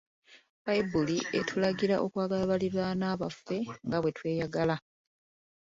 Bbayibuli etulagira okwagala baliraanwa baffe nga bwe tweyagala.